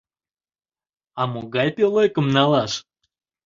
А могай пӧлекым налаш?